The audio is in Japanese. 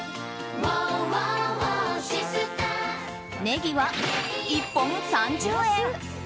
ネギは１本３０円。